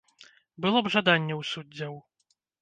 Было б жаданне ў суддзяў.